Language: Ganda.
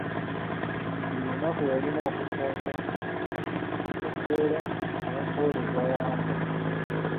Buli lunaku yalina okufumba, okwera n'okwoleza Wambwa.